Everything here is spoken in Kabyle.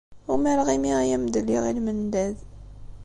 Umareɣ imi ay am-d-lliɣ i lmendad.